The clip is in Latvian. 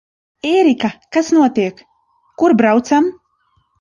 Ērika, kas notiek? Kur braucam?